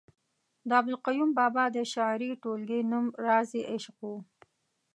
د عبدالقیوم بابا د شعري ټولګې نوم رازِ عشق ؤ